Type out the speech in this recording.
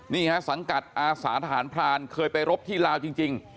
นี่ฮะสังกัดอาสาทหารพรานเคยไปรบที่ลาวจริง